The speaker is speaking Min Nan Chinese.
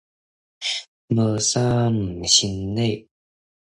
無三不成禮